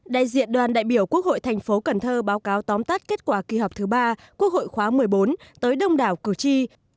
đại diện đoàn đại biểu quốc hội thành phố cần thơ báo cáo tóm tắt kết quả kỳ họp thứ ba quốc hội khóa một mươi bốn tới đông đảo cử tri